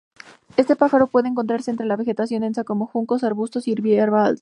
Este pájaro puede encontrarse entre la vegetación densa como juncos, arbustos y hierba alta.